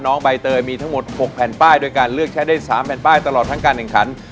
ใบเตยมีทั้งหมด๖แผ่นป้ายโดยการเลือกใช้ได้๓แผ่นป้ายตลอดทั้งการแข่งขัน